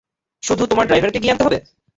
শুধু তোমার ড্রাইভারকে গিয়ে আনতে হবে?